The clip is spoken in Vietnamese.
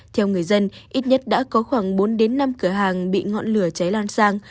theo người dân ít nhất đã có khoảng bốn đến năm cửa hàng bị ngọn lửa cháy lan sang